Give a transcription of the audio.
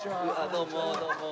どうもどうも。